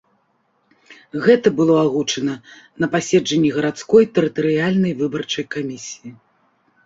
Гэта было агучана на паседжанні гарадской тэрытарыяльнай выбарчай камісіі.